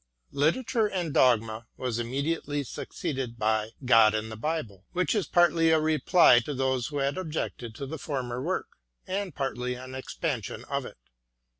" Literature and Dogma " was immediately succeeded by " God and the Bible," which is partly a reply to those who had objected to the former work, and partly an expansion of it.